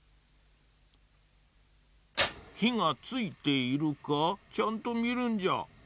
ひがついているかちゃんとみるんじゃ。